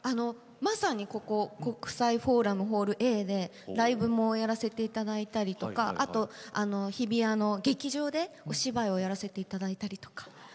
まさにここ国際フォーラムホールＡでライブもやらせていただいたりとかあと日比谷の劇場でお芝居をやらせていただいたりとか。